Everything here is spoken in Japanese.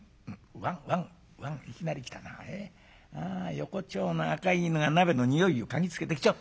横町の赤い犬が鍋の匂いを嗅ぎつけて来ちゃった。